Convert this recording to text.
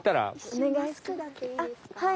お願い。